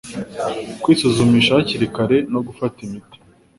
Kuyisuzumisha hakiri kare no gufata imiti